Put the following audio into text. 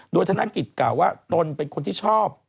โดยธนกิจกล่าวว่าตนเป็นคนที่ชอบ